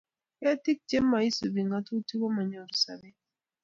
Ketik che moisubi ngatutik komonyoru sobet